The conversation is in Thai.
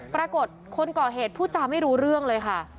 ปรากฏคนก่อเหตุพูดจาไม่รู้เรื่องเลยค่ะ